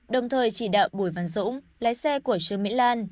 đồng thời chỉ đạo bùi văn dũng lái xe của trương mỹ lan